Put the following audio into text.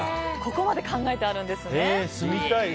ここまで考えてあるんですね。